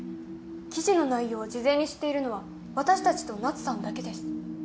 記事の内容を事前に知っているのは私たちとナツさんだけです。